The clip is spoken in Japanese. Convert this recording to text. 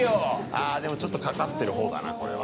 あでも、ちょっとかかってる方だな、これは。